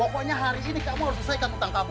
pokoknya hari ini kamu harus selesaikan tentang kamu